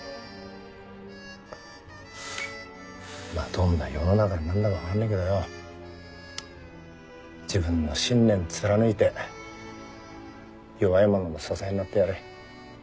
まあどんな世の中になんだか分かんねえけどよ自分の信念貫いて弱い者の支えになってやれ。